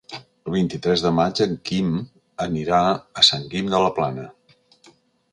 El vint-i-tres de maig en Quim anirà a Sant Guim de la Plana.